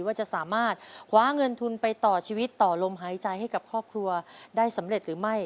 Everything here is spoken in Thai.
ว่าจะสามารถคว้าเงินทุนไปต่อชีวิตต่อลมหายใจให้กับครอบครัวได้สำเร็จหรือไม่